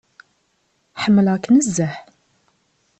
Ḥemmleɣ-k nezzeh.